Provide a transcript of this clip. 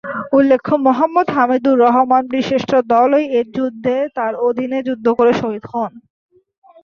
উল্লেখ্য মোহাম্মদ হামিদুর রহমান বীর শ্রেষ্ঠ ধলই এর যুদ্ধে তাঁর অধীনে যুদ্ধ করে শহীদ হন।